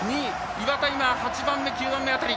岩田が８番目、９番目辺り。